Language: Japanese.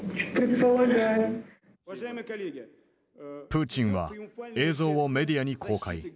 プーチンは映像をメディアに公開。